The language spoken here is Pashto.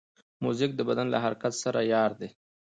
موزیک د بدن له حرکت سره یار دی.